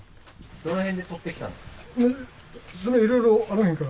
どの辺で取ってきたんですか？